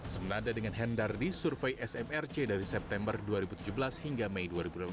senada dengan hendar di survei smrc dari september dua ribu tujuh belas hingga mei dua ribu delapan belas